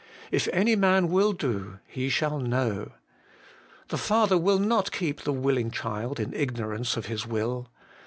' If any man will do, he shall know.' The Father will not keep the willing child in ignorance of His will.